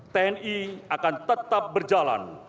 tni akan tetap berjalan